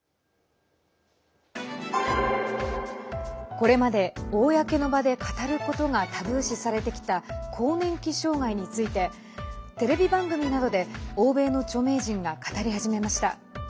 これまで公の場で語ることがタブー視されてきた更年期障害についてテレビ番組などで欧米の著名人が語り始めました。